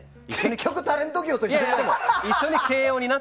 結局、タレント業と一緒じゃない！